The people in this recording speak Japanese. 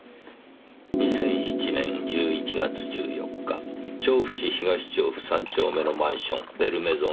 「２００７年１１月１４日調布市東調布３丁目のマンションベルメゾン